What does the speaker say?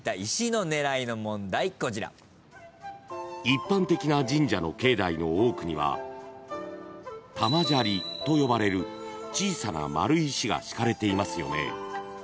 ［一般的な神社の境内の多くには玉砂利と呼ばれる小さな丸い石が敷かれていますよね］